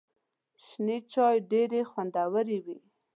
شنې چای ډېري خوندوري دي .